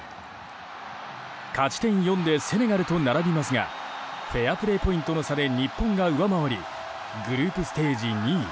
勝ち点４でセネガルと並びますがフェアプレーポイントの差で日本が上回りグループステージ２位。